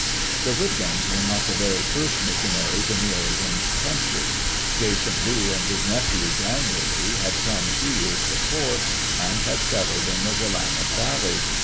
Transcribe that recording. The Whitmans were not the very first missionaries in the Oregon country. Jason Lee and his nephew Daniel Lee had come two years before and had settled in the Willamette Valley.